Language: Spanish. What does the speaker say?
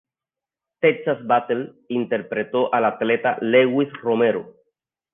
Texas Battle interpretó al atleta Lewis Romero.